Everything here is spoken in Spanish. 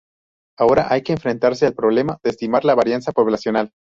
Ahora, hay que enfrentarse al problema de estimar la varianza poblacional.